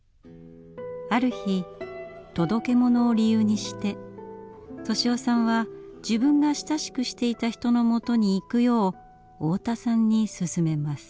ある日届け物を理由にして利雄さんは自分が親しくしていた人のもとに行くよう太田さんにすすめます。